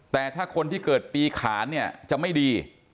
แต่ถ้าคนที่เกิดปีขานเนี่ยจะไม่ดี